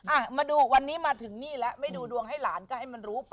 อ่ะมาดูวันนี้มาถึงนี่แล้วไม่ดูดวงให้หลานก็ให้มันรู้ไป